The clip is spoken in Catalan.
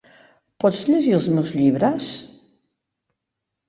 Pots llegir els meus llibres?